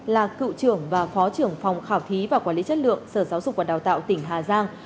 là cựu trưởng và phó trưởng phòng khảo thí và quản lý chất lượng sở giáo dục và đào tạo tỉnh hà giang